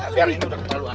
tiar ini udah keperluan